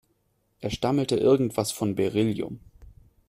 Er stammelte irgendwas von Beryllium.